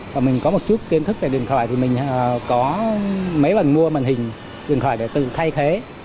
và mình có một chút kiến thức về điện thoại thì mình có mấy lần mua màn hình điện thoại để tự thay thế